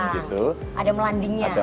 botok itu yang dibungkus pakai daun